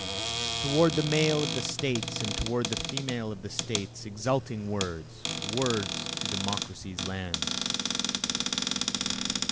Toward the male of the States, and toward the female of the States, Exulting words, words to Democracy's lands.